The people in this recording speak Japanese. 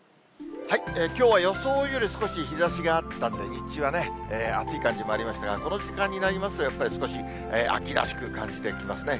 きょうは予想より少し日ざしがあったんで、日中は暑い感じもありましたが、この時間になりますと、やっぱり少し、秋らしく感じてきますね。